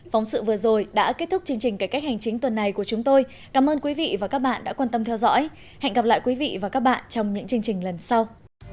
phóng sự vừa rồi đã kết thúc chương trình cải cách hành chính tuần này của chúng tôi cảm ơn quý vị và các bạn đã quan tâm theo dõi hẹn gặp lại quý vị và các bạn trong những chương trình lần sau